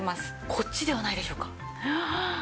こっちではないでしょうか？